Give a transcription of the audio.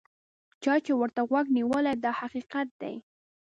چا چې ورته غوږ نیولی دا حقیقت دی.